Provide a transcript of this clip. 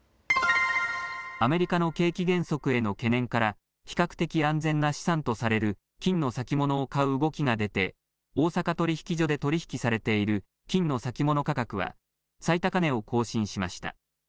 アメリカの景気減速への懸念から比較的安全な資産とされる金の先物を買う動きが出て大阪取引所で取り引きされている金の先物価格は最高値を更新しました。